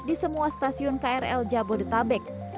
di semua stasiun krl jabodetabek